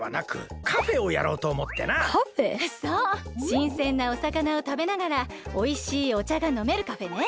しんせんなおさかなをたべながらおいしいおちゃがのめるカフェね。